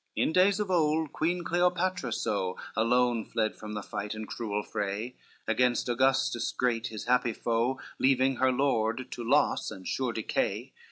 CXVIII In days of old, Queen Cleopatra so Alone fled from the fight and cruel fray, Against Augustus great his happy foe, Leaving her lord to loss and sure decay.